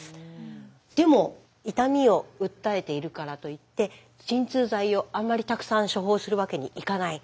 でも痛みを訴えているからといって鎮痛剤をあんまりたくさん処方するわけにいかない。